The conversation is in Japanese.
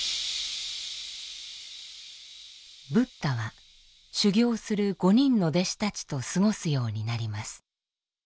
ブッダは修行する５人の弟子たちと過ごすようになります。